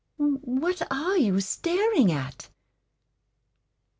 What are you staring at?"